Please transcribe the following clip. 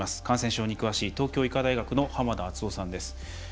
感染症に詳しい東京医科大学の濱田篤郎さんです。